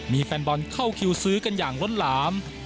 มีแฟนบอลเข้าคิวซื้อกันอย่างล้นหลาม